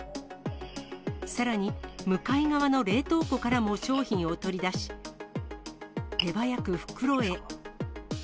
さらに、向かい側の冷凍庫からも商品を取り出し、手早く袋へ。